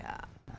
usaha ini sejuk